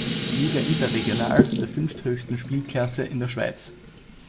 Liga interregional, der fünfthöchsten Spielklasse in der Schweiz.